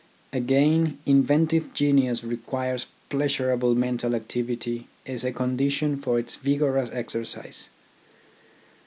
Again, inventive genius requires pleasurable mental activity as a condition for its vigorous exercise.